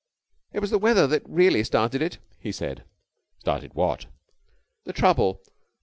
"It was the weather that really started it," he said. "Started what?" "The trouble.